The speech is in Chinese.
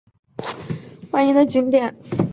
公园中的韩国民俗村是受欢迎的景点。